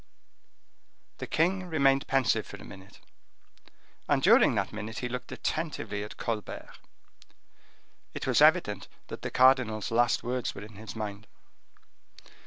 The king remained pensive for a minute; and during that minute he looked attentively at Colbert;—it was evident that the cardinal's last words were in his mind.